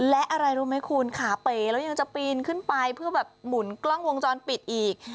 และอะไรรู้ไหมคุณขาเป๋แล้วยังจะปีนขึ้นไปเพื่อแบบหมุนกล้องวงจรปิดอีก